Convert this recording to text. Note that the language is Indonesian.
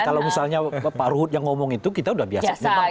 kalau misalnya pak ruhut yang ngomong itu kita udah biasa memang